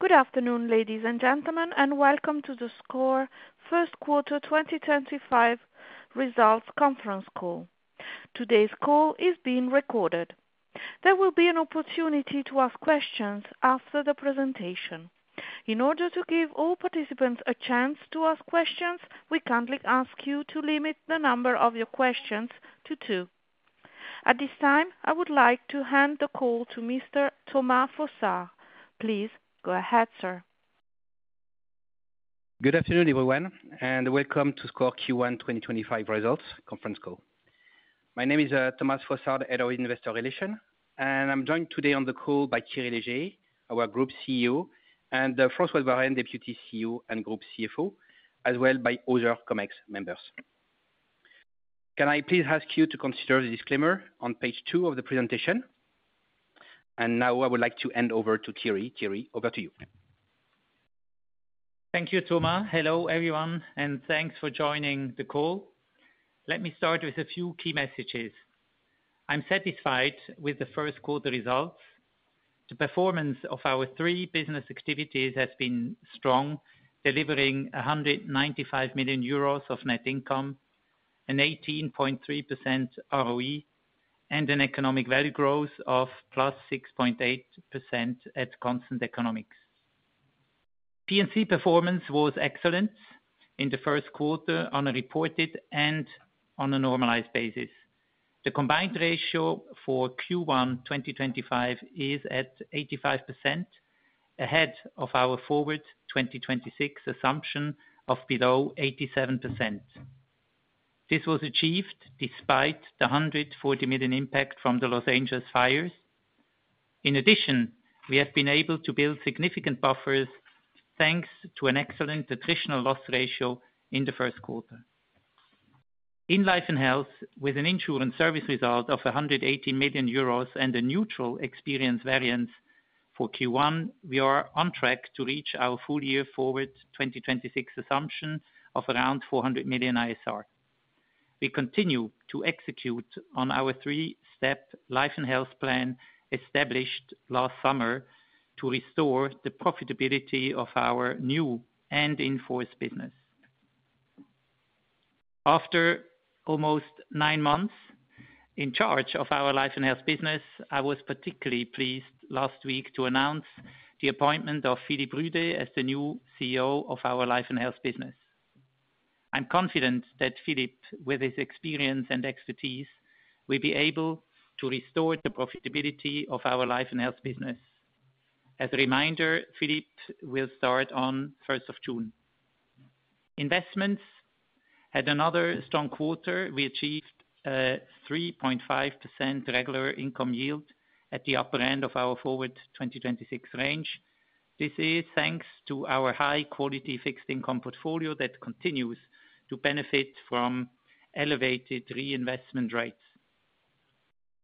Good afternoon, ladies and gentlemen, and welcome to the SCOR First Quarter 2025 Results Conference Call. Today's call is being recorded. There will be an opportunity to ask questions after the presentation. In order to give all participants a chance to ask questions, we kindly ask you to limit the number of your questions to two. At this time, I would like to hand the call to Mr. Thomas Fossard. Please go ahead, sir. Good afternoon, everyone, and welcome to SCOR Q1 2025 Results Conference Call. My name is Thomas Fossard, Head of Investor Relations, and I'm joined today on the call by Thierry Léger, our Group CEO, and François de Varenne, Deputy CEO and Group CFO, as well as other Comex members. Can I please ask you to consider the disclaimer on page two of the presentation? I would like to hand over to Thierry. Thierry, over to you. Thank you, Thomas. Hello, everyone, and thanks for joining the call. Let me start with a few key messages. I'm satisfied with the first quarter results. The performance of our three business activities has been strong, delivering 195 million euros of net income, an 18.3% ROE, and an economic value growth of plus 6.8% at constant economics. P&C performance was excellent in the first quarter on a reported and on a normalized basis. The combined ratio for Q1 2025 is at 85%, ahead of our forward 2026 assumption of below 87%. This was achieved despite the 140 million impact from the Los Angeles fires. In addition, we have been able to build significant buffers thanks to an excellent attritional loss ratio in the first quarter. In life and health, with an insurance service result of 180 million euros and a neutral experience variance for Q1, we are on track to reach our full-year forward 2026 assumption of around 400 million ISR. We continue to execute on our three-step life and health plan established last summer to restore the profitability of our new and in-force business. After almost nine months in charge of our life and health business, I was particularly pleased last week to announce the appointment of Philippe Rudet as the new CEO of our life and health business. I'm confident that Philippe, with his experience and expertise, will be able to restore the profitability of our life and health business. As a reminder, Philippe will start on the 1st of June. Investments had another strong quarter. We achieved a 3.5% regular income yield at the upper end of our forward 2026 range. This is thanks to our high-quality fixed income portfolio that continues to benefit from elevated reinvestment rates.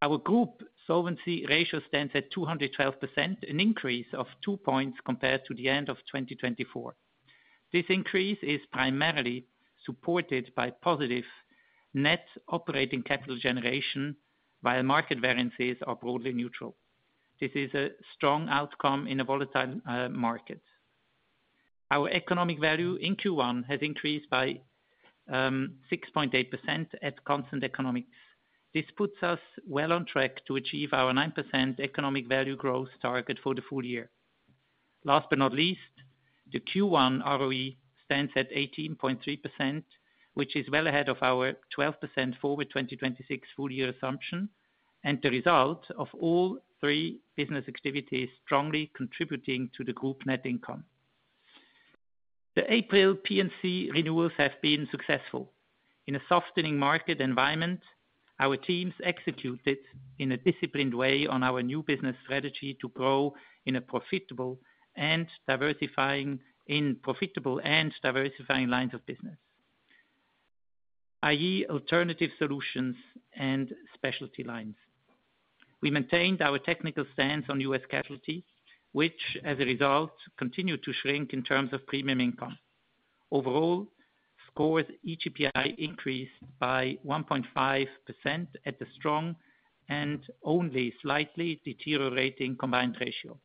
Our group solvency ratio stands at 212%, an increase of two points compared to the end of 2024. This increase is primarily supported by positive net operating capital generation, while market variances are broadly neutral. This is a strong outcome in a volatile market. Our economic value in Q1 has increased by 6.8% at constant economics. This puts us well on track to achieve our 9% economic value growth target for the full year. Last but not least, the Q1 ROE stands at 18.3%, which is well ahead of our 12% forward 2026 full-year assumption and the result of all three business activities strongly contributing to the group net income. The April P&C renewals have been successful. In a softening market environment, our teams executed in a disciplined way on our new business strategy to grow in profitable and diversifying lines of business, i.e., alternative solutions and specialty lines. We maintained our technical stance on U.S. casualty, which, as a result, continued to shrink in terms of premium income. Overall, SCOR's EGPI increased by 1.5% at the strong and only slightly deteriorating combined ratio.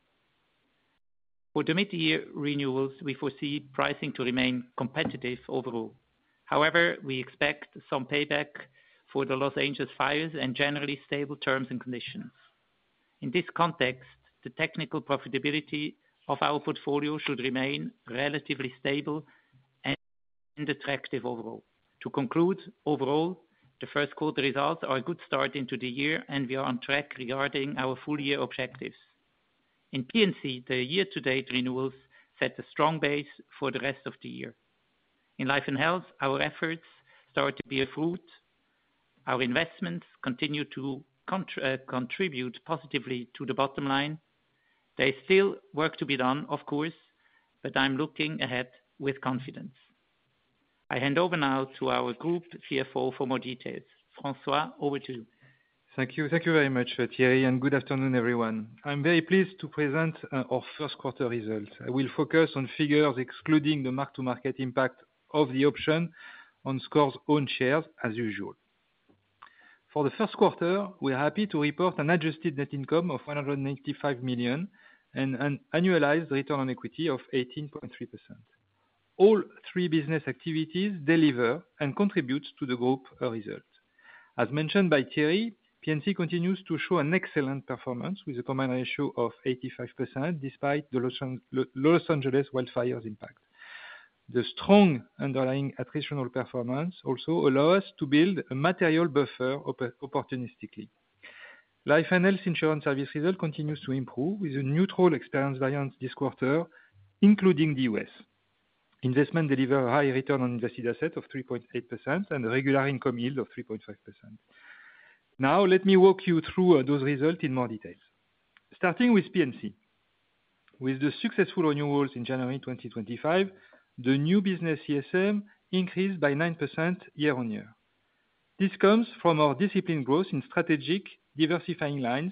For the mid-year renewals, we foresee pricing to remain competitive overall. However, we expect some payback for the Los Angeles fires and generally stable terms and conditions. In this context, the technical profitability of our portfolio should remain relatively stable and attractive overall. To conclude, overall, the first quarter results are a good start into the year, and we are on track regarding our full-year objectives. In P&C, the year-to-date renewals set a strong base for the rest of the year. In life and health, our efforts start to bear fruit. Our investments continue to contribute positively to the bottom line. There is still work to be done, of course, but I'm looking ahead with confidence. I hand over now to our Group CFO for more details. François, over to you. Thank you. Thank you very much, Thierry, and good afternoon, everyone. I'm very pleased to present our first quarter results. I will focus on figures excluding the mark-to-market impact of the option on SCOR's own shares, as usual. For the first quarter, we are happy to report an adjusted net income of 185 million and an annualized return on equity of 18.3%. All three business activities deliver and contribute to the group result. As mentioned by Thierry, P&C continues to show an excellent performance with a combined ratio of 85% despite the Los Angeles wildfires' impact. The strong underlying attritional performance also allows us to build a material buffer opportunistically. Life and health insurance service results continue to improve with a neutral experience variance this quarter, including the U.S. Investments deliver a high return on invested asset of 3.8% and a regular income yield of 3.5%. Now, let me walk you through those results in more detail. Starting with P&C, with the successful renewals in January 2025, the new business CSM increased by 9% year on year. This comes from our disciplined growth in strategic diversifying lines,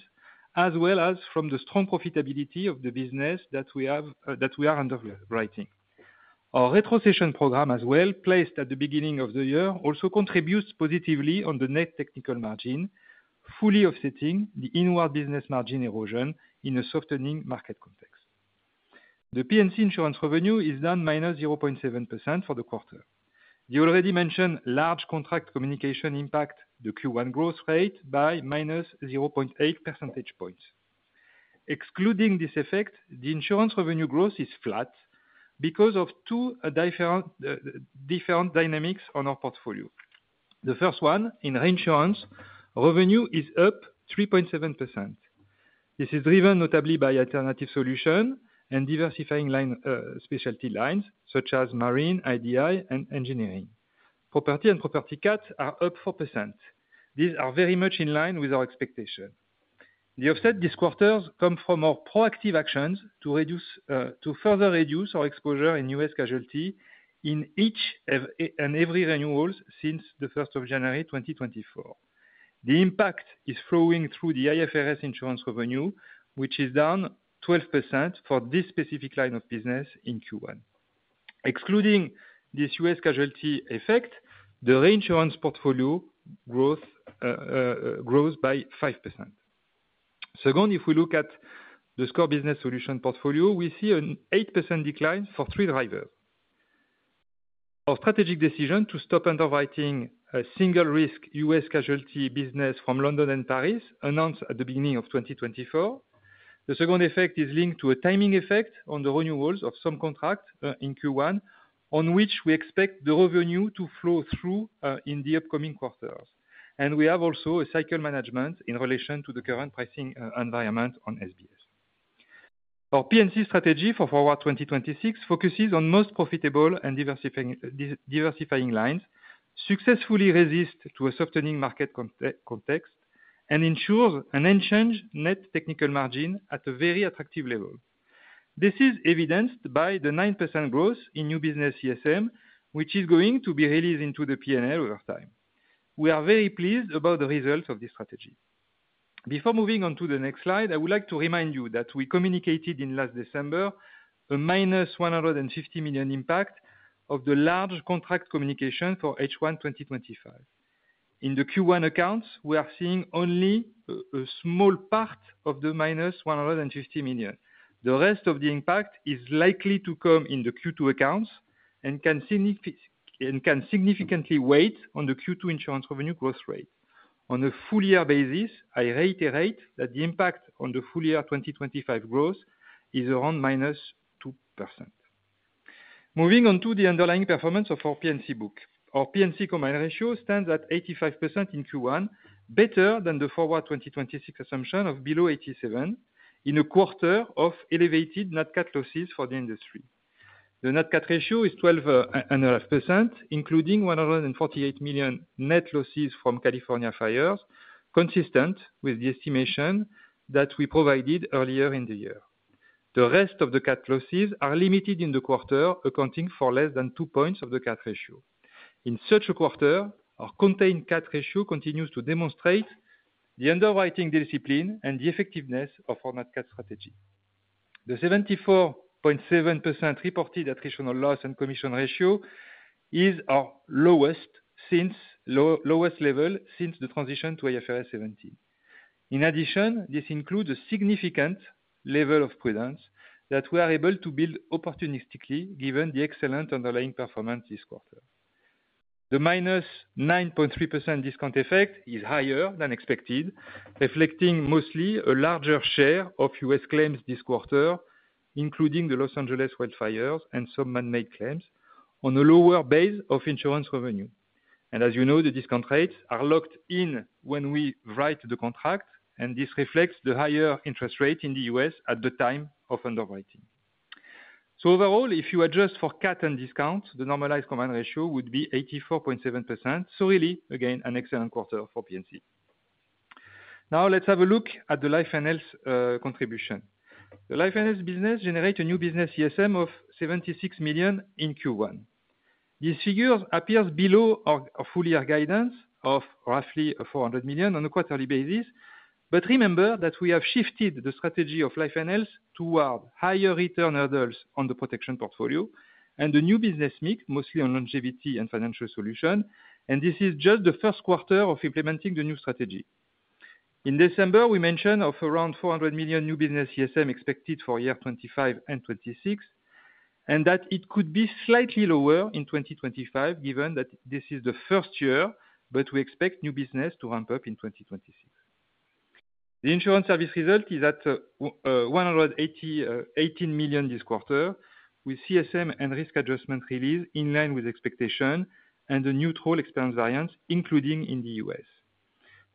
as well as from the strong profitability of the business that we are underwriting. Our retrocession program, as well placed at the beginning of the year, also contributes positively on the net technical margin, fully offsetting the inward business margin erosion in a softening market context. The P&C insurance revenue is down -0.7% for the quarter. The already mentioned large contract communication impact the Q1 growth rate by -0.8 percentage points. Excluding this effect, the insurance revenue growth is flat because of two different dynamics on our portfolio. The first one, in reinsurance, revenue is up 3.7%. This is driven notably by alternative solutions and diversifying specialty lines such as marine, IDI, and engineering. Property and property cats are up 4%. These are very much in line with our expectation. The offset this quarter comes from our proactive actions to further reduce our exposure in U.S. casualty in each and every renewal since the 1st of January 2024. The impact is flowing through the IFRS insurance revenue, which is down 12% for this specific line of business in Q1. Excluding this U.S. casualty effect, the reinsurance portfolio grows by 5%. Second, if we look at the SCOR business solution portfolio, we see an 8% decline for three drivers. Our strategic decision to stop underwriting a single-risk U.S. casualty business from London and Paris announced at the beginning of 2024. The second effect is linked to a timing effect on the renewals of some contracts in Q1, on which we expect the revenue to flow through in the upcoming quarters. We have also a cycle management in relation to the current pricing environment on SBS. Our P&C strategy for forward 2026 focuses on most profitable and diversifying lines, successfully resisting a softening market context, and ensuring an unchanged net technical margin at a very attractive level. This is evidenced by the 9% growth in new business CSM, which is going to be released into the P&L over time. We are very pleased about the results of this strategy. Before moving on to the next slide, I would like to remind you that we communicated in last December a minus 150 million impact of the large contract communication for H1 2025. In the Q1 accounts, we are seeing only a small part of the minus 150 million. The rest of the impact is likely to come in the Q2 accounts and can significantly weigh on the Q2 insurance revenue growth rate. On a full-year basis, I reiterate that the impact on the full-year 2025 growth is around minus 2%. Moving on to the underlying performance of our P&C book. Our P&C combined ratio stands at 85% in Q1, better than the forward 2026 assumption of below 87% in a quarter of elevated net cat losses for the industry. The net cat ratio is 12.5%, including 148 million net losses from California fires, consistent with the estimation that we provided earlier in the year. The rest of the cat losses are limited in the quarter, accounting for less than two points of the cat ratio. In such a quarter, our contained cat ratio continues to demonstrate the underwriting discipline and the effectiveness of our net cat strategy. The 74.7% reported attritional loss and commission ratio is our lowest level since the transition to IFRS 17. In addition, this includes a significant level of prudence that we are able to build opportunistically, given the excellent underlying performance this quarter. The -9.3% discount effect is higher than expected, reflecting mostly a larger share of U.S. claims this quarter, including the Los Angeles wildfires and some man-made claims, on a lower base of insurance revenue. As you know, the discount rates are locked in when we write the contract, and this reflects the higher interest rate in the U.S. at the time of underwriting. Overall, if you adjust for CAT and discount, the normalized combined ratio would be 84.7%. Really, again, an excellent quarter for P&C. Now, let's have a look at the life and health contribution. The life and health business generates a new business CSM of 76 million in Q1. These figures appear below our full-year guidance of roughly 400 million on a quarterly basis. Remember that we have shifted the strategy of life and health toward higher return hurdles on the protection portfolio and the new business mix, mostly on longevity and financial solution. This is just the first quarter of implementing the new strategy. In December, we mentioned around 400 million new business CSM expected for year 2025 and 2026, and that it could be slightly lower in 2025, given that this is the first year, but we expect new business to ramp up in 2026. The insurance service result is at 118 million this quarter, with CSM and risk adjustment release in line with expectation and a neutral experience variance, including in the U.S.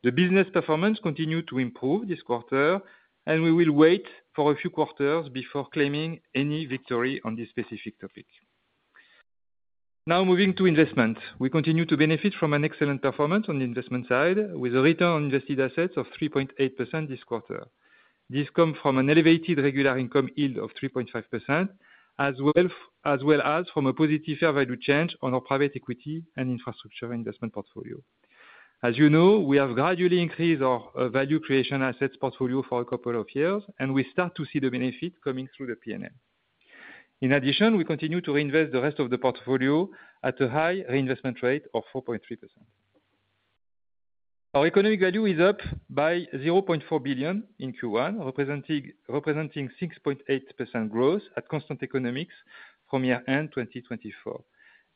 The business performance continued to improve this quarter, and we will wait for a few quarters before claiming any victory on this specific topic. Now, moving to investments, we continue to benefit from an excellent performance on the investment side, with a return on invested assets of 3.8% this quarter. This comes from an elevated regular income yield of 3.5%, as well as from a positive fair value change on our private equity and infrastructure investment portfolio. As you know, we have gradually increased our value creation assets portfolio for a couple of years, and we start to see the benefit coming through the P&L. In addition, we continue to reinvest the rest of the portfolio at a high reinvestment rate of 4.3%. Our economic value is up by 0.4 billion in Q1, representing 6.8% growth at constant economics from year-end 2024.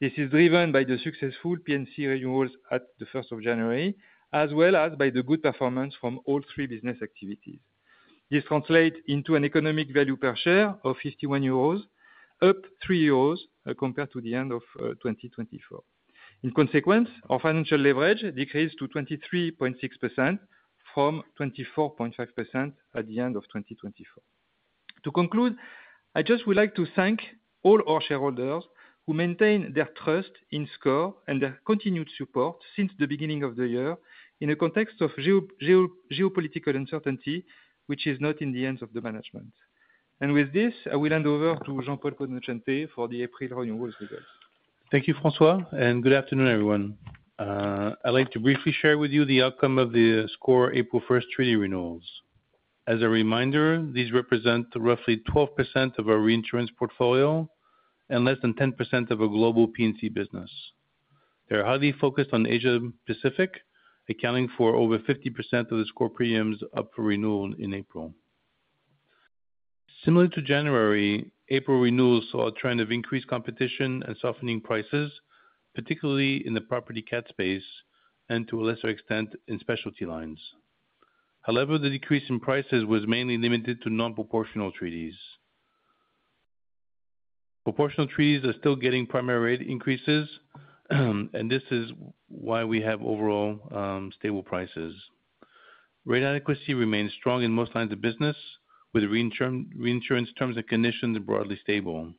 This is driven by the successful P&C renewals at the 1st of January, as well as by the good performance from all three business activities. This translates into an economic value per share of 51 euros, up 3 euros compared to the end of 2024. In consequence, our financial leverage decreased to 23.6% from 24.5% at the end of 2024. To conclude, I just would like to thank all our shareholders who maintain their trust in SCOR and their continued support since the beginning of the year in a context of geopolitical uncertainty, which is not in the hands of the management. With this, I will hand over to Jean-Paul Conoscente for the April renewals results. Thank you, François, and good afternoon, everyone. I'd like to briefly share with you the outcome of the SCOR April 1st treaty renewals. As a reminder, these represent roughly 12% of our reinsurance portfolio and less than 10% of our global P&C business. They are highly focused on Asia-Pacific, accounting for over 50% of the SCOR premiums up for renewal in April. Similar to January, April renewals saw a trend of increased competition and softening prices, particularly in the property cat space and, to a lesser extent, in specialty lines. However, the decrease in prices was mainly limited to non-proportional treaties. Proportional treaties are still getting primary rate increases, and this is why we have overall stable prices. Rate adequacy remains strong in most lines of business, with reinsurance terms and conditions broadly stable.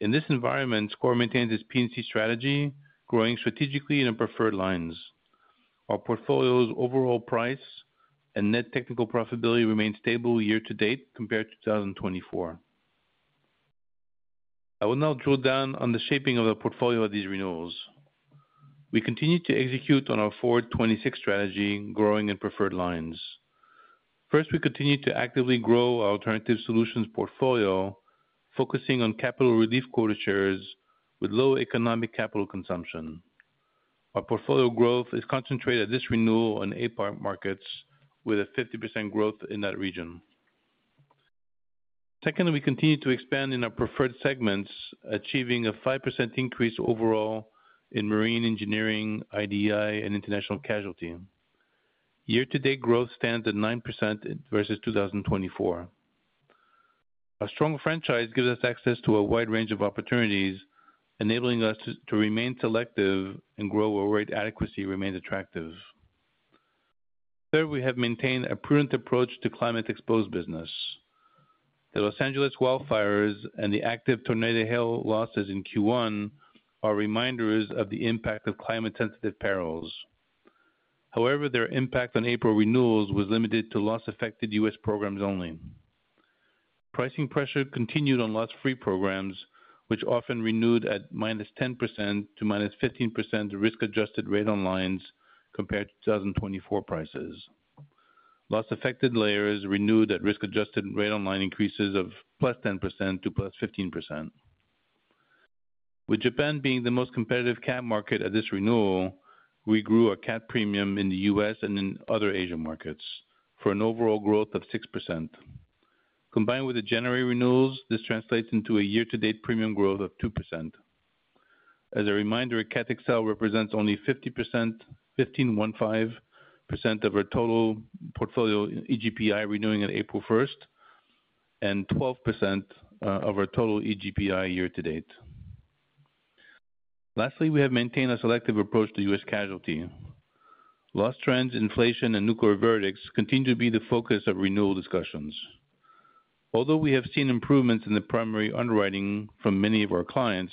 In this environment, SCOR maintains its P&C strategy, growing strategically in our preferred lines. Our portfolio's overall price and net technical profitability remain stable year-to-date compared to 2024. I will now drill down on the shaping of the portfolio at these renewals. We continue to execute on our Forward 26 strategy, growing in preferred lines. First, we continue to actively grow our Alternative Solutions portfolio, focusing on capital relief quota shares with low economic capital consumption. Our portfolio growth is concentrated at this renewal on Asia-Pacific markets, with a 50% growth in that region. Second, we continue to expand in our preferred segments, achieving a 5% increase overall in marine engineering, IDI, and international casualty. Year-to-date growth stands at 9% versus 2024. Our strong franchise gives us access to a wide range of opportunities, enabling us to remain selective and grow where rate adequacy remains attractive. Third, we have maintained a prudent approach to climate-exposed business. The Los Angeles wildfires and the active tornado hail losses in Q1 are reminders of the impact of climate-sensitive perils. However, their impact on April renewals was limited to loss-affected U.S. programs only. Pricing pressure continued on loss-free programs, which often renewed at -10% to -15% risk-adjusted rate on lines compared to 2024 prices. Loss-affected layers renewed at risk-adjusted rate on line increases of +10% to +15%. With Japan being the most competitive CAM market at this renewal, we grew our CAT premium in the U.S. and in other Asian markets for an overall growth of 6%. Combined with the January renewals, this translates into a year-to-date premium growth of 2%. As a reminder, CAT Excel represents only 15.15% of our total portfolio EGPI renewing on April 1 and 12% of our total EGPI year-to-date. Lastly, we have maintained a selective approach to U.S. casualty. Loss trends, inflation, and nuclear verdicts continue to be the focus of renewal discussions. Although we have seen improvements in the primary underwriting from many of our clients,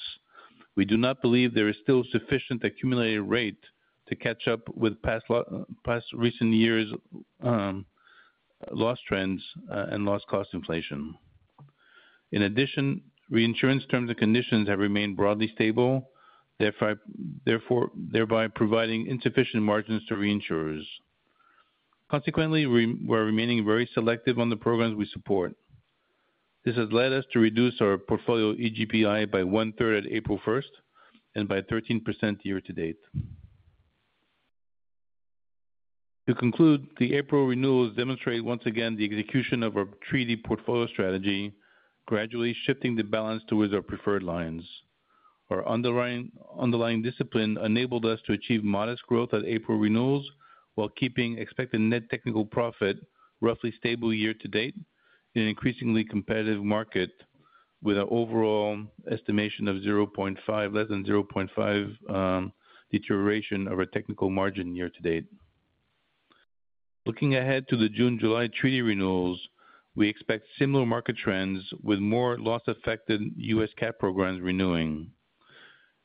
we do not believe there is still sufficient accumulated rate to catch up with past recent years' loss trends and loss-cost inflation. In addition, reinsurance terms and conditions have remained broadly stable, thereby providing insufficient margins to reinsurers. Consequently, we are remaining very selective on the programs we support. This has led us to reduce our portfolio EGPI by one-third at April 1 and by 13% year-to-date. To conclude, the April renewals demonstrate once again the execution of our treaty portfolio strategy, gradually shifting the balance towards our preferred lines. Our underlying discipline enabled us to achieve modest growth at April renewals while keeping expected net technical profit roughly stable year-to-date in an increasingly competitive market, with an overall estimation of less than 0.5% deterioration of our technical margin year-to-date. Looking ahead to the June-July treaty renewals, we expect similar market trends with more loss-affected U.S. CAP programs renewing.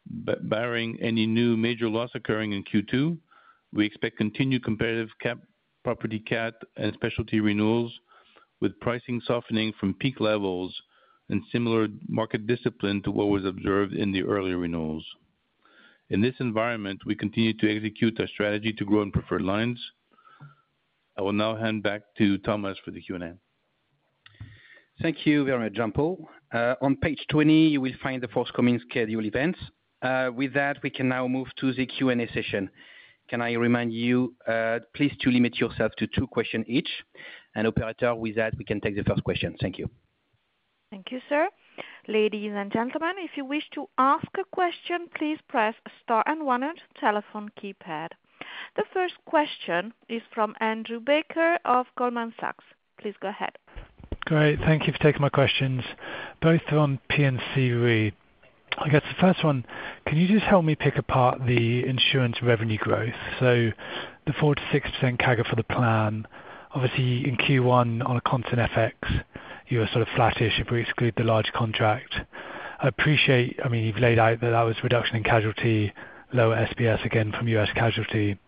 Barring any new major loss occurring in Q2, we expect continued competitive property cat and specialty renewals, with pricing softening from peak levels and similar market discipline to what was observed in the earlier renewals. In this environment, we continue to execute our strategy to grow in preferred lines. I will now hand back to Thomas for the Q&A. Thank you, Jean-Paul. On page 20, you will find the forthcoming scheduled events. With that, we can now move to the Q&A session. Can I remind you, please, to limit yourself to two questions each, and operator, with that, we can take the first question. Thank you. Thank you, sir. Ladies and gentlemen, if you wish to ask a question, please press star and one on your telephone keypad. The first question is from Andrew Baker of Goldman Sachs. Please go ahead. Great. Thank you for taking my questions. Both on P&C, really. I guess the first one. Can you just help me pick apart the insurance revenue growth? So, the 4-6% CAGR for the plan, obviously in Q1 on a constant FX, you were sort of flattish if we exclude the large contract. I appreciate, I mean, you've laid out that that was reduction in casualty, lower SBS again from U.S. casualty,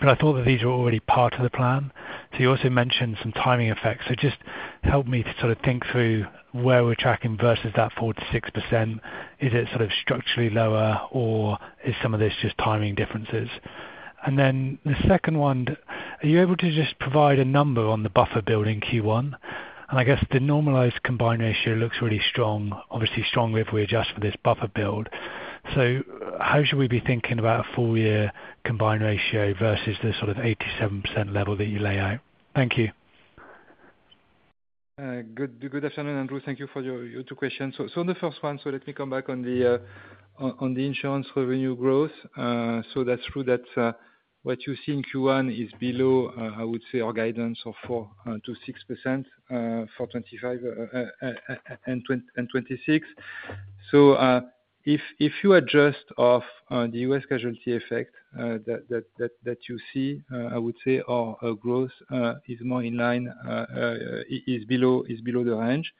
but I thought that these were already part of the plan. You also mentioned some timing effects. Just help me to sort of think through where we're tracking versus that 4-6%. Is it structurally lower, or is some of this just timing differences? The second one, are you able to just provide a number on the buffer build in Q1? I guess the normalized combined ratio looks really strong, obviously stronger if we adjust for this buffer build. How should we be thinking about a full-year combined ratio versus the 87% level that you lay out? Thank you. Good afternoon, Andrew. Thank you for your two questions. The first one, let me come back on the insurance revenue growth. That's true that what you see in Q1 is below, I would say, our guidance of 4-6% for 2025 and 2026. If you adjust off the U.S. Casualty effect that you see, I would say, our growth is more in line, is below the range.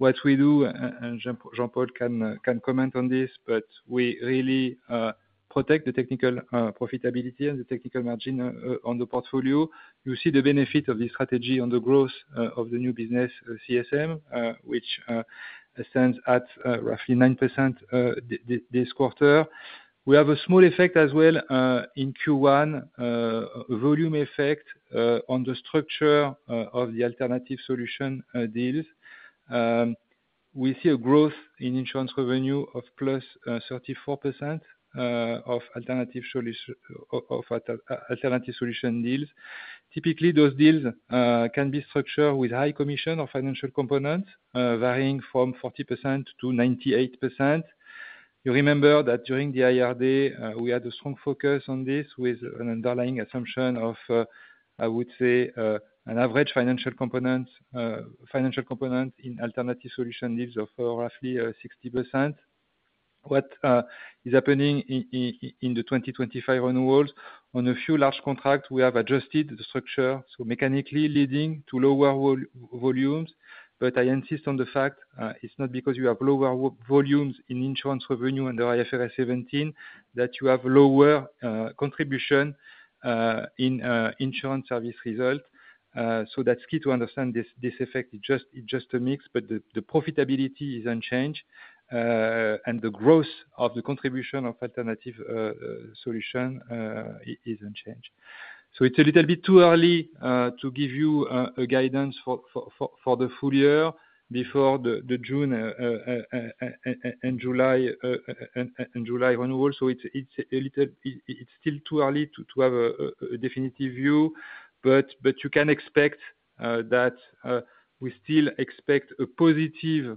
What we do, and Jean-Paul can comment on this, but we really protect the technical profitability and the technical margin on the portfolio. You see the benefit of the strategy on the growth of the new business CSM, which stands at roughly 9% this quarter. We have a small effect as well in Q1, volume effect on the structure of the alternative solution deals. We see a growth in insurance revenue of +34% of alternative solution deals. Typically, those deals can be structured with high commission or financial components, varying from 40% to 98%. You remember that during the IRD, we had a strong focus on this with an underlying assumption of, I would say, an average financial component in alternative solution deals of roughly 60%. What is happening in the 2025 renewals, on a few large contracts, we have adjusted the structure so mechanically, leading to lower volumes. I insist on the fact it's not because you have lower volumes in insurance revenue under IFRS 17 that you have lower contribution in insurance service result. That's key to understand this effect. It's just a mix, but the profitability is unchanged, and the growth of the contribution of alternative solution is unchanged. It's a little bit too early to give you a guidance for the full year before the June and July renewal. It's still too early to have a definitive view, but you can expect that we still expect a positive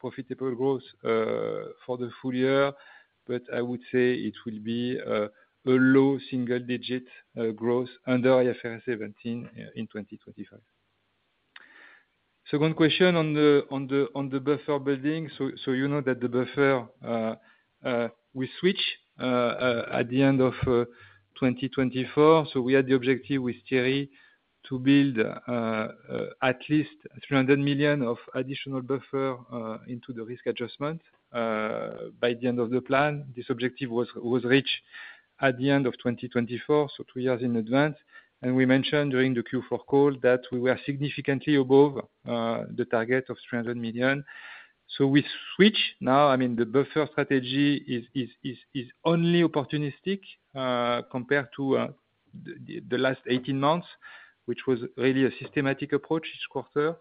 profitable growth for the full year. I would say it will be a low single-digit growth under IFRS 17 in 2025. Second question on the buffer building. You know that the buffer, we switch at the end of 2024. We had the objective with Thierry to build at least 300 million of additional buffer into the risk adjustment by the end of the plan. This objective was reached at the end of 2024, two years in advance. We mentioned during the Q4 call that we were significantly above the target of 300 million. We switch now. I mean, the buffer strategy is only opportunistic compared to the last 18 months, which was really a systematic approach each quarter.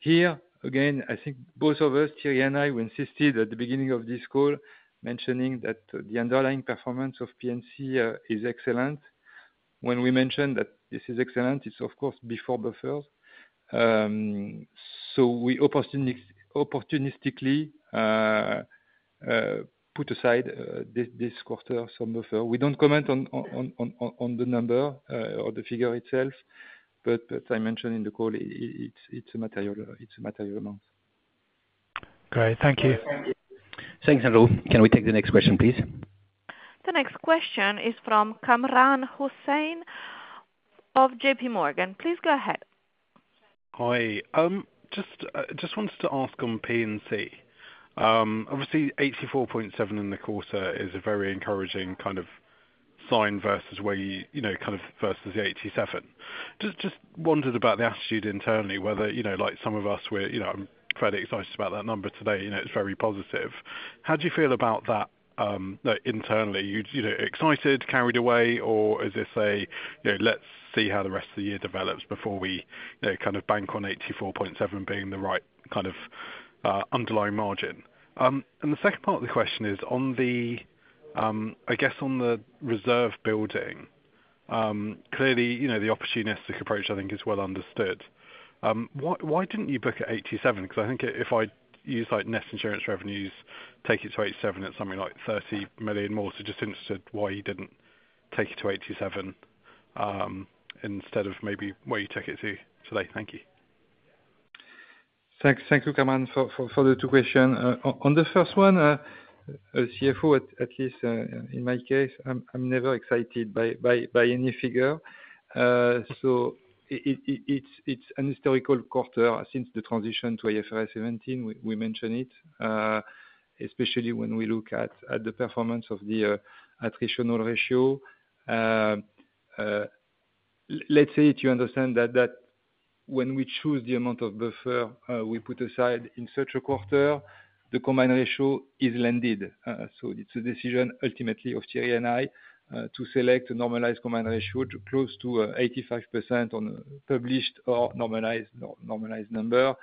Here again, I think both of us, Thierry and I, we insisted at the beginning of this call, mentioning that the underlying performance of P&C is excellent. When we mentioned that this is excellent, it is, of course, before buffers. We opportunistically put aside this quarter some buffer. We don't comment on the number or the figure itself, but I mentioned in the call, it's a material amount. Great. Thank you. Thanks, Andrew. Can we take the next question, please? The next question is from Kamran Hussein of JP Morgan. Please go ahead. Hi. Just wanted to ask on P&C. Obviously, 84.7 in the quarter is a very encouraging kind of sign versus where you kind of versus the 87. Just wondered about the attitude internally, whether some of us were fairly excited about that number today. It's very positive. How do you feel about that internally? Excited, carried away, or is this a, "Let's see how the rest of the year develops before we kind of bank on 84.7% being the right kind of underlying margin?" The second part of the question is, I guess on the reserve building, clearly, the opportunistic approach, I think, is well understood. Why didn't you book at 87%? Because I think if I use net insurance revenues, take it to 87%, it's something like €30 million more. Just interested why you didn't take it to 87% instead of maybe where you took it today. Thank you. Thank you, Kamran, for the two questions. On the first one, CFO, at least in my case, I'm never excited by any figure. It is a historical quarter since the transition to IFRS 17. We mention it, especially when we look at the performance of the attritional ratio. Let's say it, you understand that when we choose the amount of buffer we put aside in such a quarter, the combined ratio is landed. It is a decision, ultimately, of Thierry and I to select a normalized combined ratio close to 85% on published or normalized number.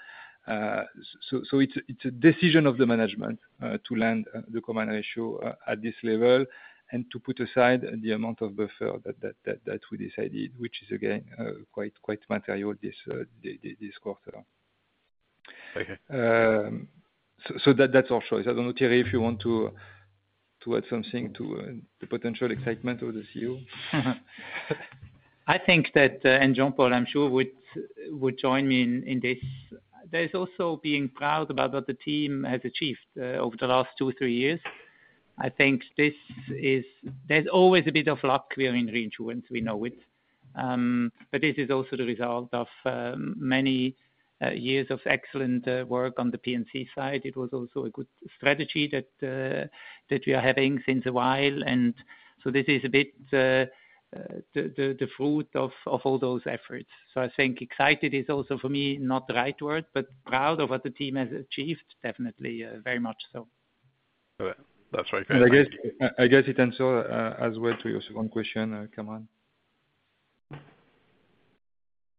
It is a decision of the management to land the combined ratio at this level and to put aside the amount of buffer that we decided, which is, again, quite material this quarter. That is our choice. I do not know, Thierry, if you want to add something to the potential excitement of the CEO. I think that, and Jean-Paul, I am sure, would join me in this. There is also being proud about what the team has achieved over the last two, three years. I think there is always a bit of luck here in reinsurance; we know it. This is also the result of many years of excellent work on the P&C side. It was also a good strategy that we are having since a while. This is a bit the fruit of all those efforts. I think "excited" is also, for me, not the right word, but proud of what the team has achieved, definitely, very much so. That's very good. I guess it answers as well to your second question, Kamran.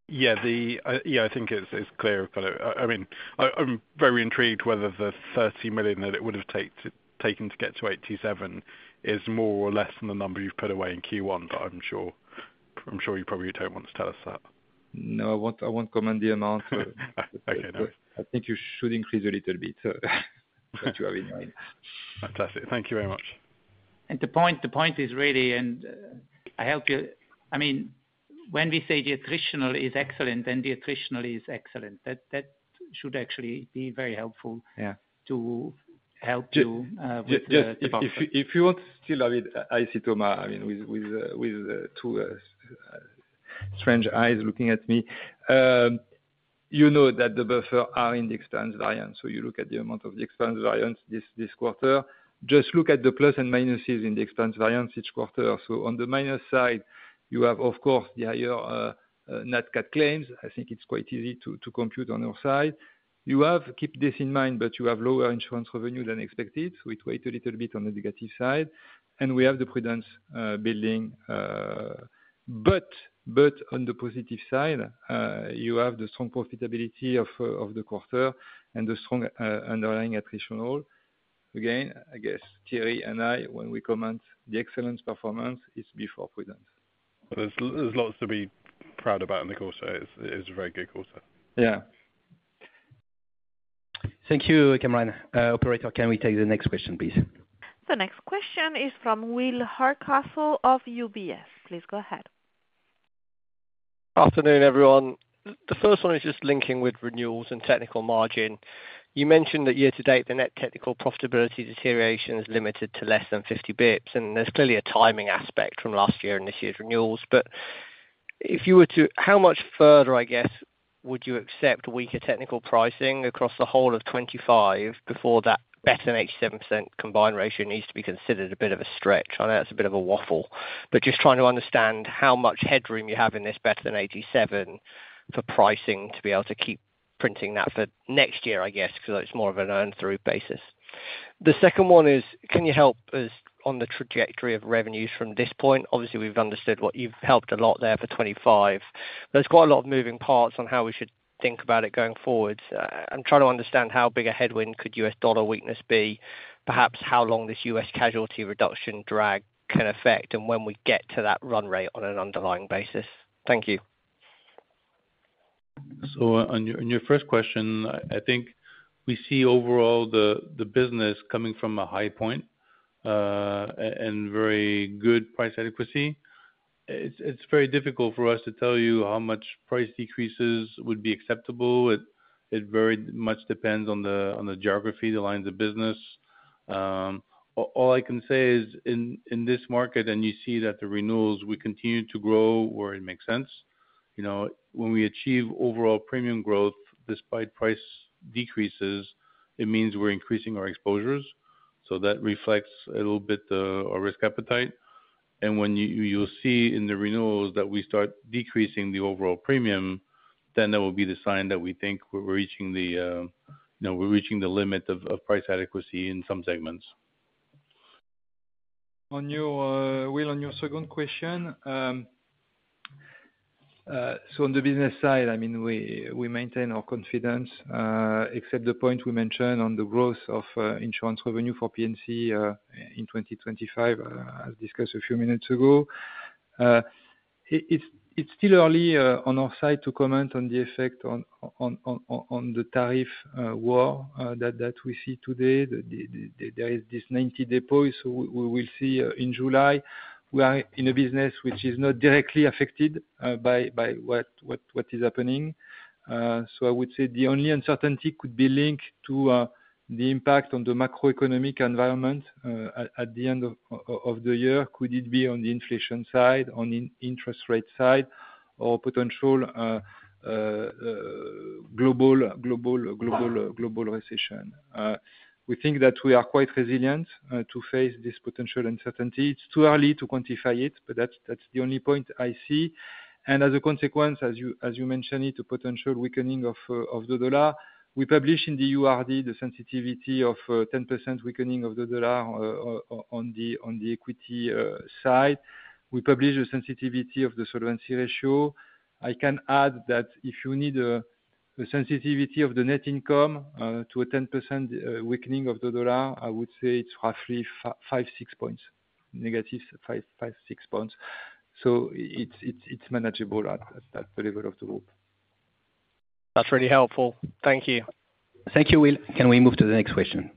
Yeah, I think it's clear. I mean, I'm very intrigued whether the $30 million that it would have taken to get to 87 is more or less than the number you've put away in Q1, but I'm sure you probably don't want to tell us that. No, I won't comment the amount. Okay, no. I think you should increase a little bit what you have in mind. Fantastic. Thank you very much. The point is really, and I help you. I mean, when we say the attritional is excellent, then the attritional is excellent. That should actually be very helpful to help you with the buffer. If you want to still, I mean, I see Thomas, I mean, with two strange eyes looking at me. You know that the buffer are in the expense variance. You look at the amount of the expense variance this quarter. Just look at the plus and minuses in the expense variance each quarter. On the minus side, you have, of course, the higher net CAT claims. I think it is quite easy to compute on our side. You have kept this in mind, but you have lower insurance revenue than expected. It weighed a little bit on the negative side. We have the prudence building. On the positive side, you have the strong profitability of the quarter and the strong underlying attritional. Again, I guess Thierry and I, when we comment, the excellent performance is before prudence. There's lots to be proud about in the quarter. It's a very good quarter. Yeah. Thank you, Kamran. Operator, can we take the next question, please? The next question is from Will Harkossell of UBS. Please go ahead. Afternoon, everyone. The first one is just linking with renewals and technical margin. You mentioned that year to date, the net technical profitability deterioration is limited to less than 50 basis points. And there's clearly a timing aspect from last year and this year's renewals. If you were to, how much further, I guess, would you accept weaker technical pricing across the whole of 2025 before that better than 87% combined ratio needs to be considered a bit of a stretch? I know that's a bit of a waffle, but just trying to understand how much headroom you have in this better than 87 for pricing to be able to keep printing that for next year, I guess, because it's more of an earn-through basis. The second one is, can you help us on the trajectory of revenues from this point? Obviously, we've understood what you've helped a lot there for 2025. There's quite a lot of moving parts on how we should think about it going forward. I'm trying to understand how big a headwind could U.S. dollar weakness be, perhaps how long this U.S. Casualty reduction drag can affect, and when we get to that run rate on an underlying basis. Thank you. On your first question, I think we see overall the business coming from a high point and very good price adequacy. It's very difficult for us to tell you how much price decreases would be acceptable. It very much depends on the geography, the lines of business. All I can say is, in this market, you see that the renewals, we continue to grow where it makes sense. When we achieve overall premium growth despite price decreases, it means we're increasing our exposures. That reflects a little bit our risk appetite. When you see in the renewals that we start decreasing the overall premium, that will be the sign that we think we're reaching the limit of price adequacy in some segments. Will, on your second question, on the business side, I mean, we maintain our confidence, except the point we mentioned on the growth of insurance revenue for P&C in 2025, as discussed a few minutes ago. It's still early on our side to comment on the effect on the tariff war that we see today. There is this 90 depots. We will see in July. We are in a business which is not directly affected by what is happening. I would say the only uncertainty could be linked to the impact on the macroeconomic environment at the end of the year. Could it be on the inflation side, on the interest rate side, or potential global recession? We think that we are quite resilient to face this potential uncertainty. It's too early to quantify it, but that's the only point I see. As a consequence, as you mentioned, the potential weakening of the dollar. We published in the URD the sensitivity of 10% weakening of the dollar on the equity side. We published the sensitivity of the solvency ratio. I can add that if you need a sensitivity of the net income to a 10% weakening of the dollar, I would say it's roughly five, six points, negative five, six points. It is manageable at the level of the group. That's really helpful. Thank you. Thank you, Will. Can we move to the next question?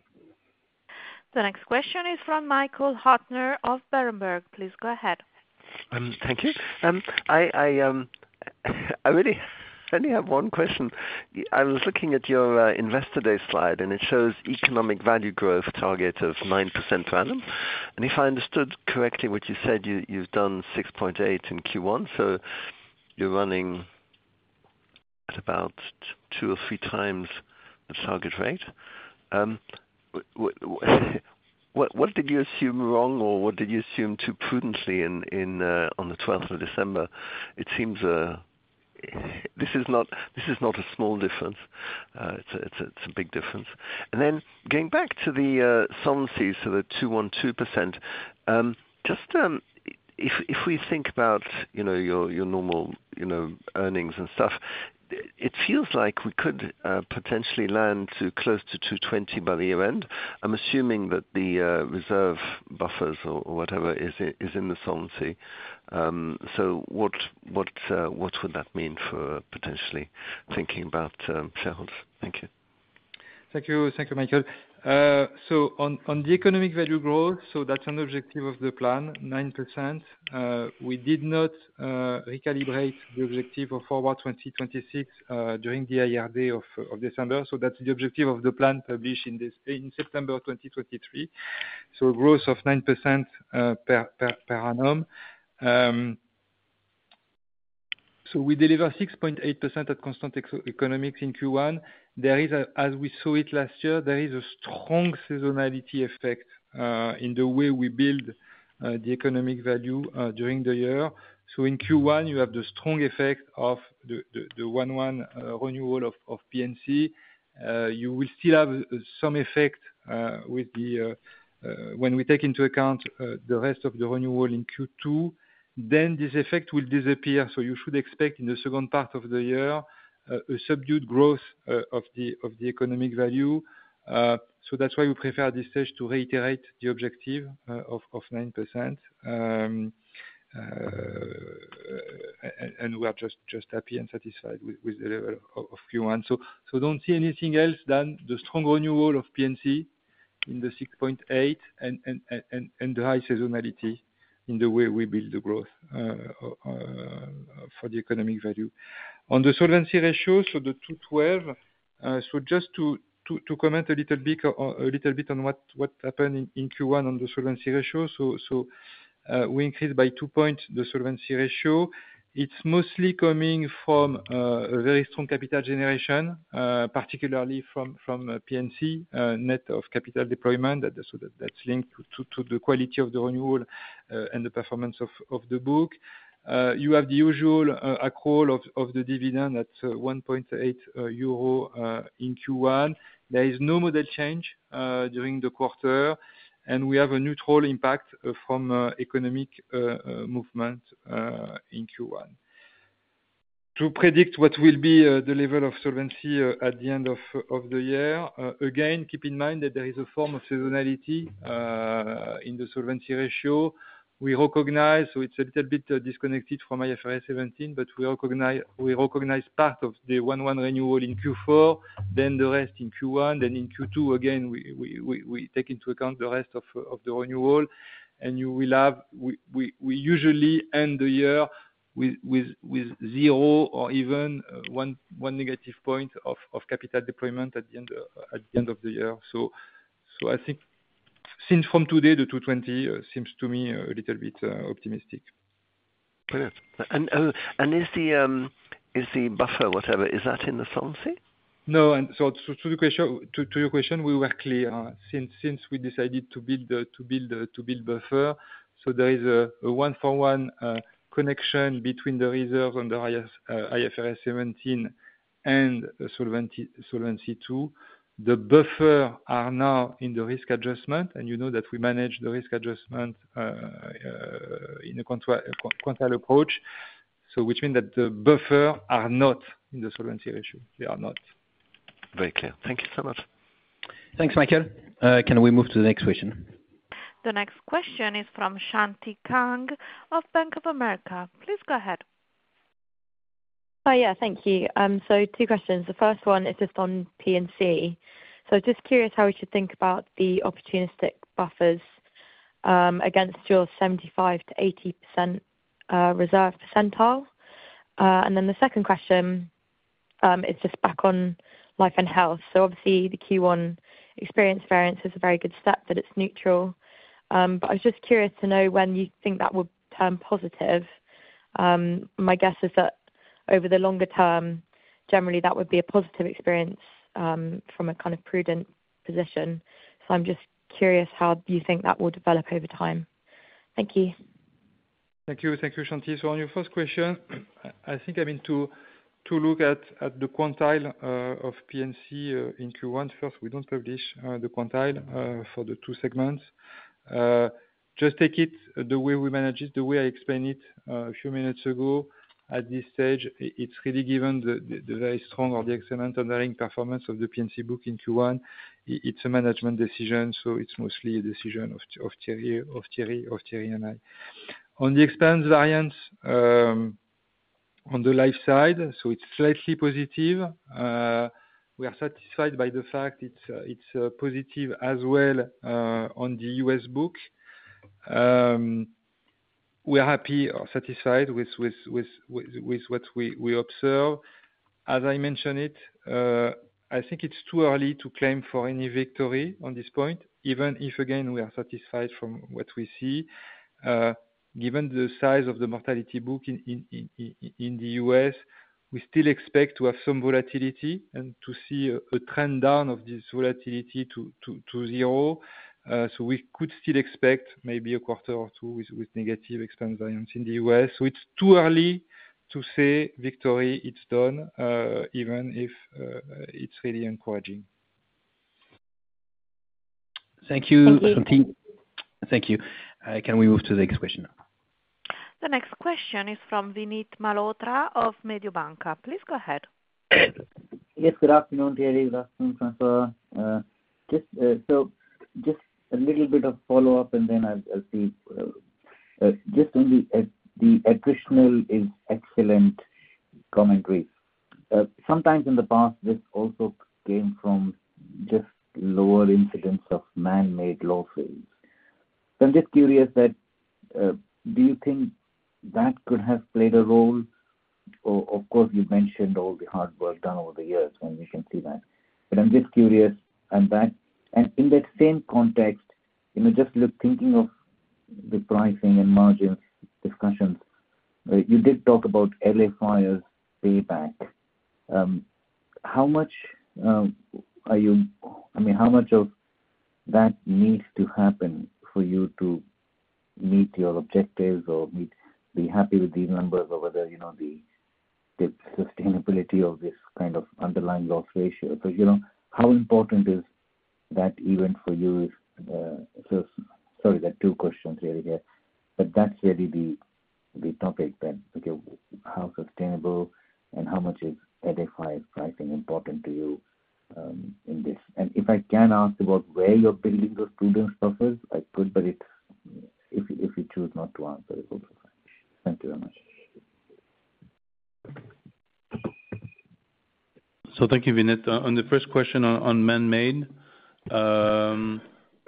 The next question is from Michael Huttner of Berenberg. Please go ahead. Thank you. I really only have one question. I was looking at your investor day slide, and it shows economic value growth target of 9% random. If I understood correctly what you said, you've done 6.8 in Q1. You're running at about two or three times the target rate. What did you assume wrong, or what did you assume too prudently on the 12th of December? It seems this is not a small difference. It's a big difference. Getting back to the solvency, the 2.2%, just if we think about your normal earnings and stuff, it feels like we could potentially land close to 2.20% by the year end. I'm assuming that the reserve buffers or whatever is in the solvency. What would that mean for potentially thinking about shareholders? Thank you. Thank you, Michael. On the economic value growth, that's an objective of the plan, 9%. We did not recalibrate the objective forward 2026 during the IRD of December. That's the objective of the plan published in September 2023. A growth of 9% per annum. We deliver 6.8% at constant economics in Q1. There is, as we saw it last year, a strong seasonality effect in the way we build the economic value during the year. In Q1, you have the strong effect of the one-one renewal of P&C. You will still have some effect when we take into account the rest of the renewal in Q2, then this effect will disappear. You should expect in the second part of the year a subdued growth of the economic value. That is why we prefer at this stage to reiterate the objective of 9%. We are just happy and satisfied with the level of Q1. Do not see anything else than the strong renewal of P&C in the 6.8% and the high seasonality in the way we build the growth for the economic value. On the solvency ratio, so the 212%, so just to comment a little bit on what happened in Q1 on the solvency ratio. We increased by two percentage points the solvency ratio. It's mostly coming from a very strong capital generation, particularly from P&C, net of capital deployment. That's linked to the quality of the renewal and the performance of the book. You have the usual accrual of the dividend at 1.8 euro in Q1. There is no model change during the quarter. We have a neutral impact from economic movement in Q1. To predict what will be the level of solvency at the end of the year, again, keep in mind that there is a form of seasonality in the solvency ratio. We recognize, so it's a little bit disconnected from IFRS 17, but we recognize part of the one-one renewal in Q4, then the rest in Q1, then in Q2, again, we take into account the rest of the renewal. We usually end the year with zero or even one negative point of capital deployment at the end of the year. I think, since from today, the 2.20 seems to me a little bit optimistic. Is the buffer, whatever, is that in the solvency? No. To your question, we were clear. Since we decided to build buffer, there is a one-for-one connection between the reserves on the IFRS 17 and solvency 2. The buffer are now in the risk adjustment. You know that we manage the risk adjustment in a quantile approach, which means that the buffer are not in the solvency ratio. They are not. Very clear. Thank you so much. Thanks, Michael. Can we move to the next question? The next question is from Shanti Kang of Bank of America. Please go ahead. Yeah, thank you. Two questions. The first one is just on P&C. Just curious how we should think about the opportunistic buffers against your 75-80% reserve percentile. The second question is just back on life and health. Obviously, the Q1 experience variance is a very good step, but it's neutral. I was just curious to know when you think that would turn positive. My guess is that over the longer term, generally, that would be a positive experience from a kind of prudent position. I'm just curious how you think that will develop over time. Thank you. Thank you, Shanti. On your first question, I think I mean to look at the quantile of P&C in Q1. First, we do not publish the quantile for the two segments. Just take it the way we manage it, the way I explained it a few minutes ago. At this stage, it is really given the very strong or the excellent underlying performance of the P&C book in Q1. It is a management decision, so it is mostly a decision of Thierry and I. On the expense variance, on the life side, it is slightly positive. We are satisfied by the fact it is positive as well on the U.S. book. We are happy or satisfied with what we observe. As I mentioned, I think it is too early to claim for any victory on this point, even if, again, we are satisfied from what we see. Given the size of the mortality book in the U.S., we still expect to have some volatility and to see a trend down of this volatility to zero. We could still expect maybe a quarter or two with negative expense variance in the U.S. It is too early to say victory is done, even if it is really encouraging. Thank you, Shanti. Thank you. Can we move to the next question? The next question is from Vinit Malhotra of Mediobanca. Please go ahead. Yes, good afternoon, Thierry. Good afternoon, François. Just a little bit of follow-up, and then I will see. Just on the attritional, it is excellent commentary. Sometimes in the past, this also came from just lower incidence of man-made losses. I am just curious; do you think that could have played a role? Of course, you've mentioned all the hard work done over the years when we can see that. I am just curious. In that same context, just thinking of the pricing and margin discussions, you did talk about LA Fires payback. How much are you, I mean, how much of that needs to happen for you to meet your objectives or be happy with these numbers or whether the sustainability of this kind of underlying loss ratio? How important is that event for you? Sorry, that is two questions, really, here. That is really the topic then. How sustainable and how much is LA Fires pricing important to you in this? If I can ask about where you're building those prudent buffers, I could, but if you choose not to answer, it's also fine. Thank you very much. Thank you, Vinit. On the first question on man-made,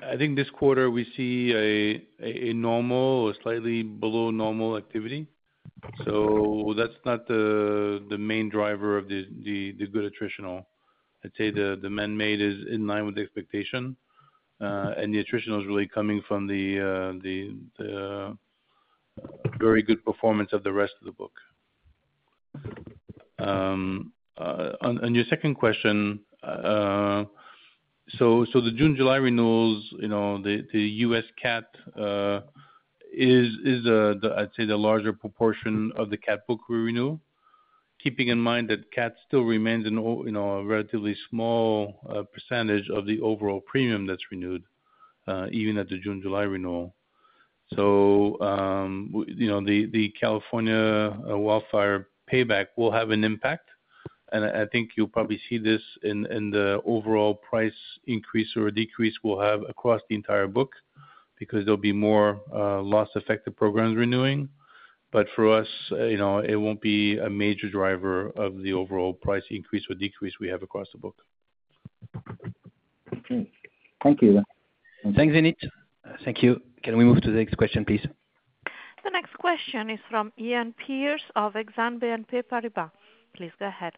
I think this quarter we see a normal or slightly below normal activity. That is not the main driver of the good attritional. I'd say the man-made is in line with expectation. The attritional is really coming from the very good performance of the rest of the book. On your second question, the June-July renewals, the U.S. CAT is, I'd say, the larger proportion of the CAT book we renew, keeping in mind that CAT still remains a relatively small percentage of the overall premium that's renewed, even at the June-July renewal. The California wildfire payback will have an impact. I think you'll probably see this in the overall price increase or decrease we'll have across the entire book because there'll be more loss-affected programs renewing. For us, it will not be a major driver of the overall price increase or decrease we have across the book. Thank you. Thanks, Vinit. Thank you. Can we move to the next question, please? The next question is from Ian Peers of Exane BNP Paribas. Please go ahead.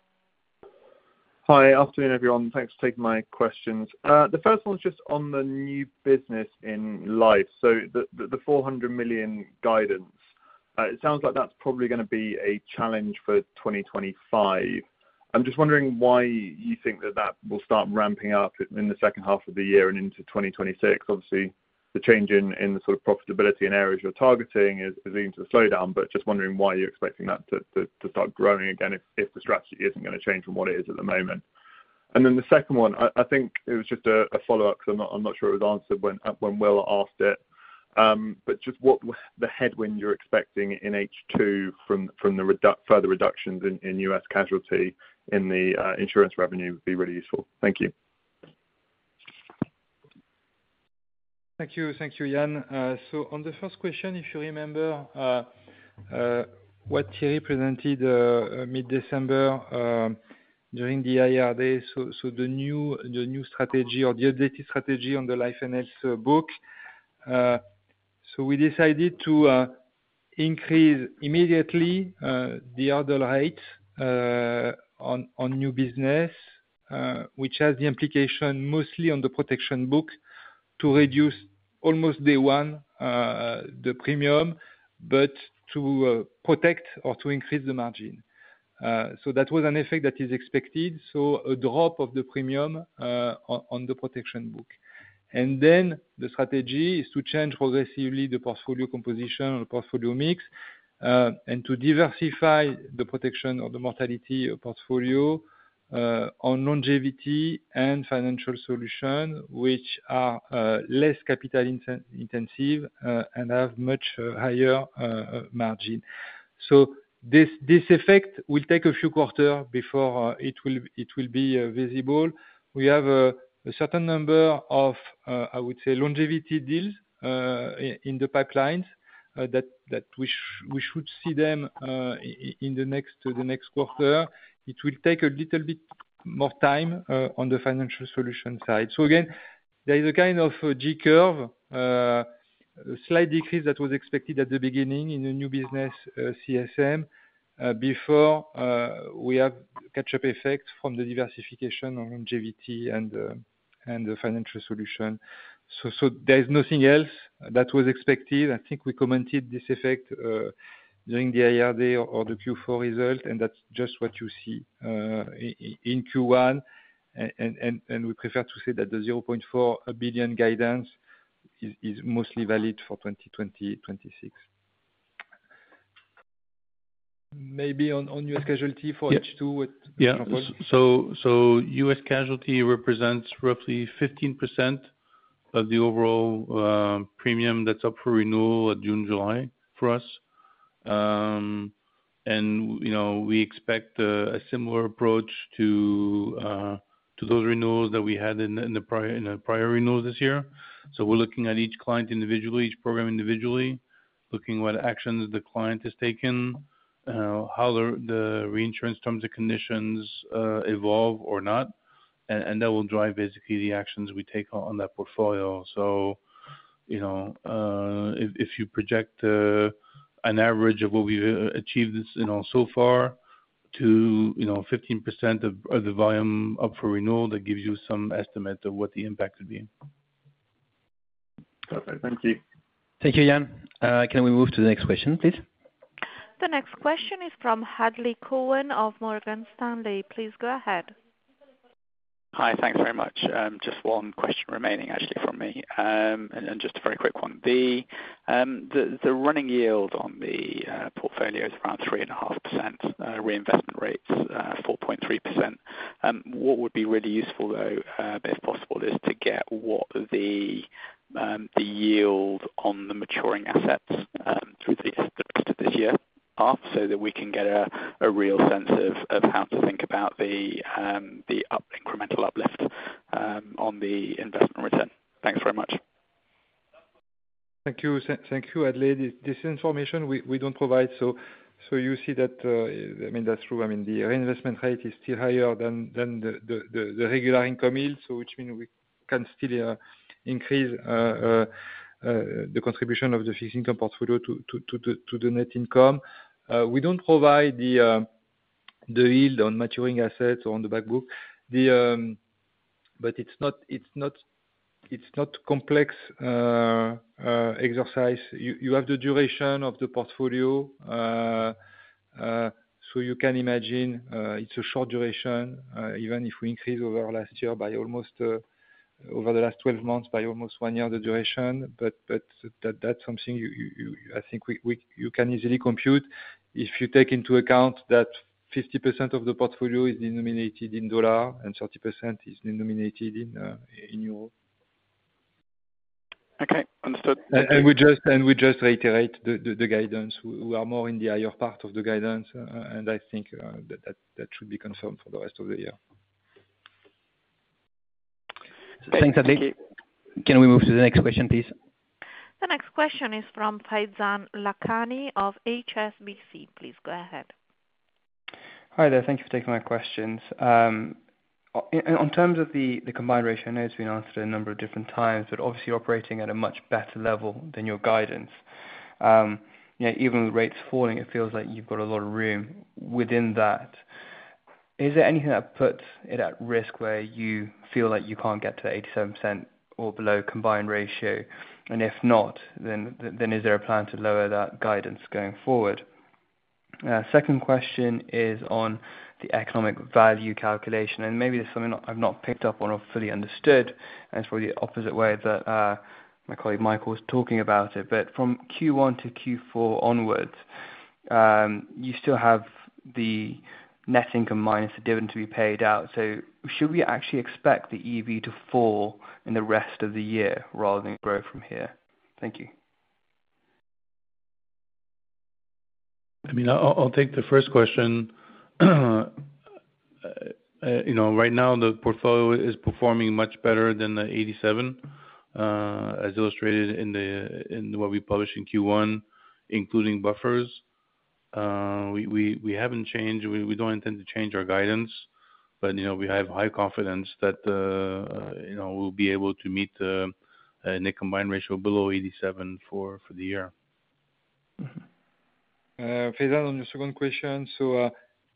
Hi, afternoon, everyone. Thanks for taking my questions. The first one is just on the new business in life. The $400 million guidance, it sounds like that is probably going to be a challenge for 2025. I am just wondering why you think that will start ramping up in the second half of the year and into 2026. Obviously, the change in the sort of profitability and areas you are targeting is leading to a slowdown, but just wondering why you are expecting that to start growing again if the strategy is not going to change from what it is at the moment. Then the second one, I think it was just a follow-up because I'm not sure it was answered when Will asked it. Just what the headwind you're expecting in H2 from the further reductions in U.S. casualty in the insurance revenue would be really useful. Thank you. Thank you. Thank you, Iain. On the first question, if you remember what Thierry presented mid-December during the IRD, the new strategy or the updated strategy on the life and health book, we decided to increase immediately the order rate on new business, which has the implication mostly on the protection book to reduce almost day one the premium, but to protect or to increase the margin. That was an effect that is expected. A drop of the premium on the protection book. The strategy is to change progressively the portfolio composition or portfolio mix and to diversify the protection or the mortality portfolio on longevity and financial solutions, which are less capital-intensive and have much higher margin. This effect will take a few quarters before it will be visible. We have a certain number of, I would say, longevity deals in the pipelines that we should see in the next quarter. It will take a little bit more time on the financial solution side. There is a kind of G curve, a slight decrease that was expected at the beginning in the new business CSM before we have catch-up effect from the diversification on longevity and the financial solution. There is nothing else that was expected. I think we commented this effect during the IRD or the Q4 result, and that's just what you see in Q1. We prefer to say that the $0.4 billion guidance is mostly valid for 2026. Maybe on U.S. casualty for H2, what's your point? So, U.S. casualty represents roughly 15% of the overall premium that's up for renewal at June-July for us. We expect a similar approach to those renewals that we had in the prior renewals this year. We're looking at each client individually, each program individually, looking at what actions the client has taken, how the reinsurance terms and conditions evolve or not. That will drive basically the actions we take on that portfolio. If you project an average of what we've achieved so far to 15% of the volume up for renewal, that gives you some estimate of what the impact would be. Perfect. Thank you. Thank you, Iain. Can we move to the next question, please? The next question is from Hadley Cohen of Morgan Stanley. Please go ahead. Hi, thanks very much. Just one question remaining, actually, from me. Just a very quick one. The running yield on the portfolio is around 3.5%. Reinvestment rate's 4.3%. What would be really useful, though, if possible, is to get what the yield on the maturing assets through the rest of this year is so that we can get a real sense of how to think about the incremental uplift on the investment return. Thanks very much. Thank you. Thank you, Hadley. This information, we don't provide. You see that, I mean, that's true. I mean, the reinvestment rate is still higher than the regular income yield, which means we can still increase the contribution of the fixed income portfolio to the net income. We do not provide the yield on maturing assets or on the backbook. It is not a complex exercise. You have the duration of the portfolio. You can imagine it is a short duration, even if we increased over last year by almost over the last 12 months, by almost one year the duration. That is something I think you can easily compute if you take into account that 50% of the portfolio is denominated in dollar and 30% is denominated in euro. Okay. Understood. We just reiterate the guidance. We are more in the higher part of the guidance, and I think that should be confirmed for the rest of the year. Thanks, Hadley. Can we move to the next question, please? The next question is from Faizan Lakani of HSBC. Please go ahead. Hi, there. Thank you for taking my questions. In terms of the combined ratio, I know it's been answered a number of different times, but obviously, you're operating at a much better level than your guidance. Even with rates falling, it feels like you've got a lot of room within that. Is there anything that puts it at risk where you feel like you can't get to 87% or below combined ratio? If not, then is there a plan to lower that guidance going forward? Second question is on the economic value calculation. Maybe there's something I've not picked up on or fully understood. It's probably the opposite way that my colleague Michael was talking about it. From Q1 to Q4 onwards, you still have the net income minus the dividend to be paid out. Should we actually expect the EV to fall in the rest of the year rather than grow from here? Thank you. I mean, I'll take the first question. Right now, the portfolio is performing much better than the 87, as illustrated in what we published in Q1, including buffers. We haven't changed. We don't intend to change our guidance, but we have high confidence that we'll be able to meet a net combined ratio below 87 for the year. Fayzal, on your second question,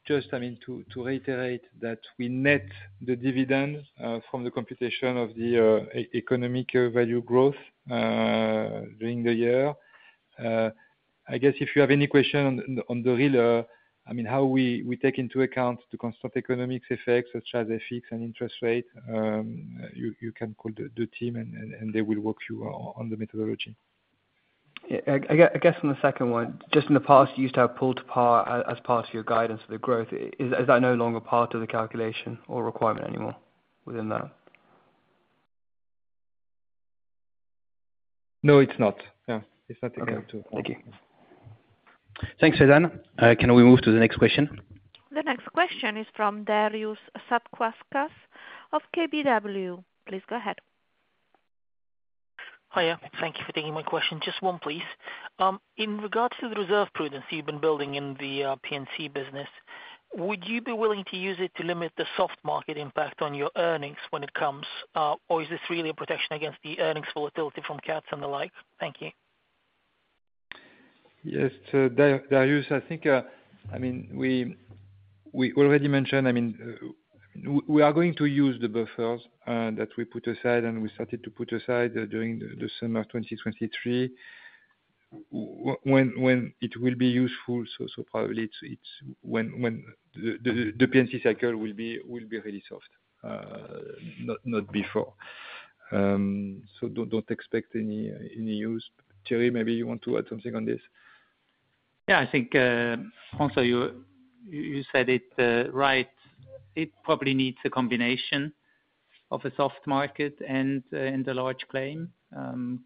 just, I mean, to reiterate that we net the dividend from the computation of the economic value growth during the year. I guess if you have any question on the real, I mean, how we take into account the constant economic effects such as FX and interest rate, you can call the team, and they will work you on the methodology. I guess on the second one, just in the past, you used to have pull-to-pay as part of your guidance for the growth. Is that no longer part of the calculation or requirement anymore within that? No, it's not. Yeah. It's not taken into account. Thank you. Thanks, Faizan. Can we move to the next question? The next question is from Darius Sadquascas of KBW. Please go ahead. Hi, Ian. Thank you for taking my question. Just one, please. In regards to the reserve prudency you have been building in the P&C business, would you be willing to use it to limit the soft market impact on your earnings when it comes, or is this really a protection against the earnings volatility from CATs and the like? Thank you. Yes. Darius, I think, I mean, we already mentioned, I mean, we are going to use the buffers that we put aside, and we started to put aside during the summer of 2023 when it will be useful. Probably when the P&C cycle will be really soft, not before. Do not expect any use. Thierry, maybe you want to add something on this? Yeah. I think, François, you said it right. It probably needs a combination of a soft market and a large claim.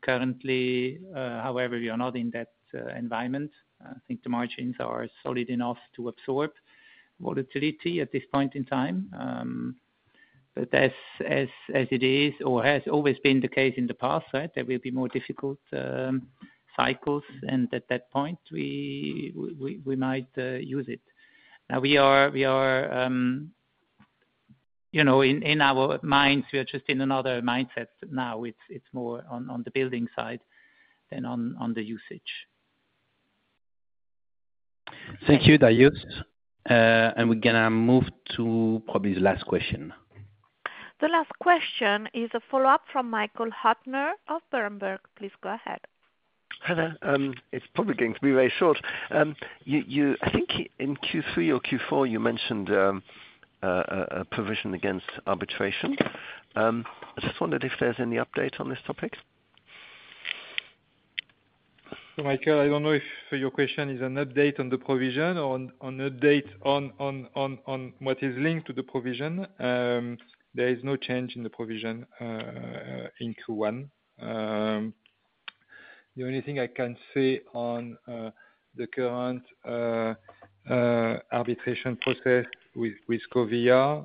Currently, however, we are not in that environment. I think the margins are solid enough to absorb volatility at this point in time. As it is, or has always been the case in the past, right, there will be more difficult cycles. At that point, we might use it. Now, we are in our minds, we are just in another mindset now. It's more on the building side than on the usage. Thank you, Darius. We're going to move to probably the last question. The last question is a follow-up from Michael Huttner of Berenberg. Please go ahead. Hello. It's probably going to be very short. I think in Q3 or Q4, you mentioned a provision against arbitration. I just wondered if there's any update on this topic. Michael, I don't know if your question is an update on the provision or an update on what is linked to the provision. There is no change in the provision in Q1. The only thing I can say on the current arbitration process with Covia,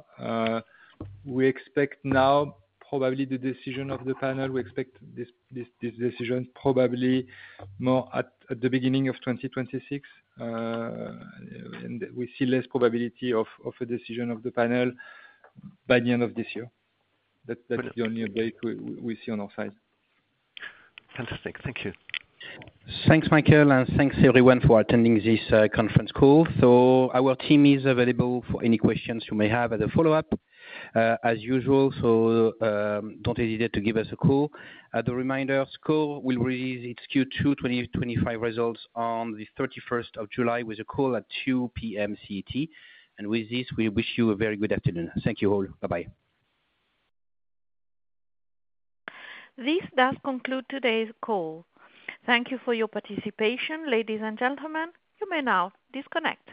we expect now probably the decision of the panel. We expect this decision probably more at the beginning of 2026. We see less probability of a decision of the panel by the end of this year. That is the only update we see on our side. Fantastic. Thank you. Thanks, Michael. Thanks, everyone, for attending this conference call. Our team is available for any questions you may have as a follow-up, as usual. Do not hesitate to give us a call. As a reminder, SCOR will release its Q2 2025 results on the 31st of July with a call at 2:00 P.M. CET. With this, we wish you a very good afternoon. Thank you all. Bye-bye. This does conclude today's call. Thank you for your participation, ladies and gentlemen. You may now disconnect.